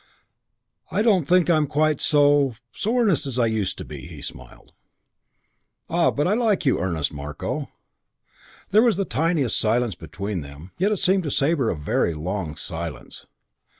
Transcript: "I don't think I'm quite so so earnest as I used to be," he smiled. "Ah, but I like you earnest, Marko." There was the tiniest silence between them. Yet it seemed to Sabre a very long silence.